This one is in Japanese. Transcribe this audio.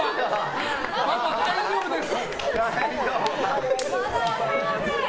パパ、大丈夫です！